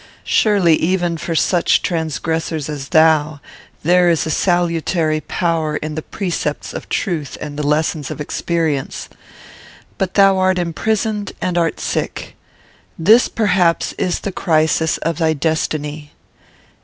Surely, even for such transgressors as thou, there is a salutary power in the precepts of truth and the lessons of experience. "But thou art imprisoned and art sick. This, perhaps, is the crisis of thy destiny.